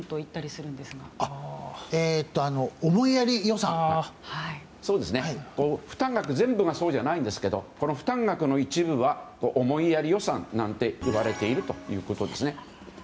そうですね、負担額全部がそうじゃないんですけどこの負担額の一部は思いやり予算なんて言われているということです。